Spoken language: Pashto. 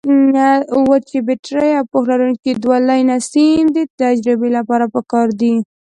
وچې بټرۍ او پوښ لرونکي دوه لینه سیم د تجربې لپاره پکار دي.